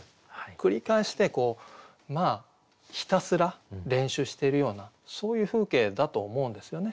繰り返してひたすら練習してるようなそういう風景だと思うんですよね。